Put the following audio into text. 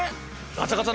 ガチャガチャ？